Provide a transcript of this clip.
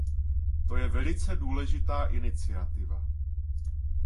To je velice důležitá iniciativa.